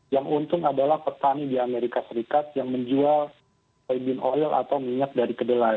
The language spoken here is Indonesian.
yang untung adalah petani di amerika serikat yang menjual vabin oil atau minyak dari kedelai